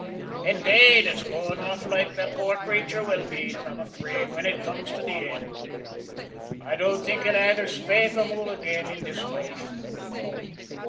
Indade, it's going off loike that the poor crayture will be, I'm afeard, whin it comes to the ind. I don't think he'll ayther spake or move ag'in in this loife."